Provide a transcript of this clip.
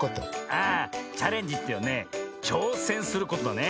ああチャレンジっていうのはねちょうせんすることだね。